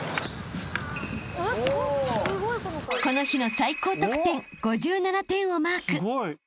［この日の最高得点５７点をマーク］